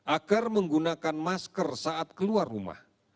agar menggunakan masker saat keluar rumah